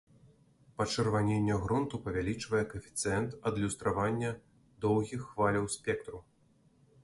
Пачырваненне грунту павялічвае каэфіцыент адлюстравання доўгіх хваляў спектру.